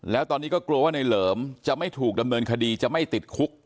แล้วตอนนี้ก็กลัวว่าในเหลิมจะไม่ถูกดำเนินคดีจะไม่ติดคุก